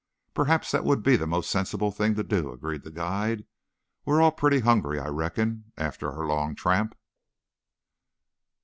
"Perhaps that would be the most sensible thing to do," agreed the guide. "We are all pretty hungry, I reckon, after our long tramp."